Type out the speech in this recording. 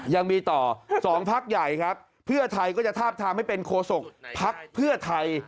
ยังมีต่อ๒พักใหญ่ครับเพื่อไทยก็จะทาบทามให้เป็นโคศกภักดิ์เพื่อไทย